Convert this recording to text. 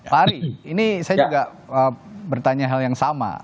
pak ari ini saya juga bertanya hal yang sama